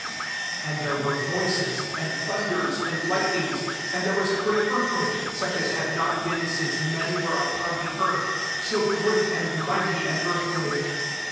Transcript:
18 And there were voices, and thunders, and lightnings; and [there was] a great earthquake, such as had not been since men •were upon tlie earth, so great and mighty an earthquake.